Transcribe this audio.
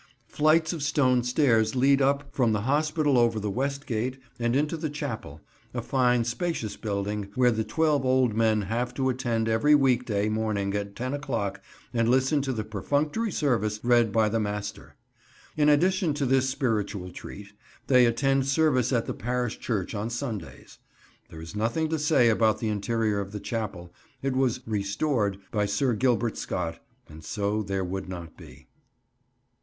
Flights of stone stairs lead up from the Hospital over the West Gate and into the chapel, a fine spacious building where the twelve old men have to attend every week day morning at ten o'clock and listen to the perfunctory service read by the Master. In addition to this spiritual treat, they attend service at the parish church on Sundays. There is nothing to say about the interior of the chapel; it was "restored" by Sir Gilbert Scott, and so there would not be.